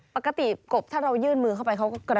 ปกติกบถ้าเรายื่นมือเข้าไปเขาก็กระ